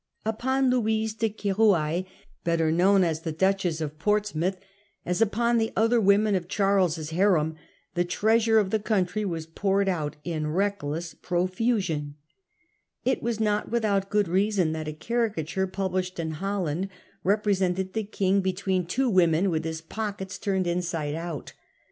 Upon Louise de Kdroualle, better known as the Duchess of Portsmouth, as upon the other women of Charles's harem, the treasure of the country was poured out in reckless profusion. It was not without good reason that a caricature published in Holland represented the 1672. Measures of the Cabal 197 King between two wdinen, with his pockets turned inside out.